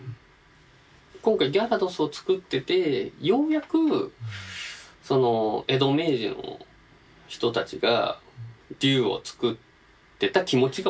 今回ギャラドスを作っててようやく江戸・明治の人たちが竜を作ってた気持ちが分かった。